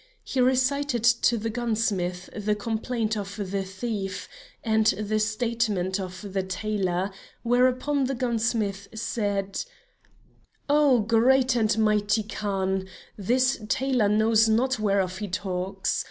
He recited to the gunsmith the complaint of the thief and the statement of the tailor, whereupon the gunsmith said: "Oh great and mighty Khan, this tailor knows not whereof he talks.